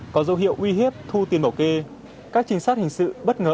có dấu hiệu uy hiếp thu tiền bảo kê các trinh sát hình sự bất ngờ